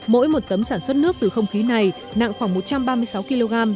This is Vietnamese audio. mỗi một tấm sản xuất nước từ không khí này nặng khoảng một trăm ba mươi sáu kg